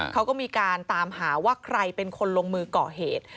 เขาก็มีการตามหาว่าใครเป็นคนลงมือก่อเหตุ